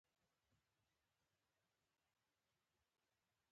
په بدن کې د مالګې کموالی زیان لري.